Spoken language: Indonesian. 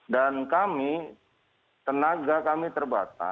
dan kami tenaga kami terbatas